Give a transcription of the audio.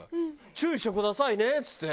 「注意してくださいね」っつって。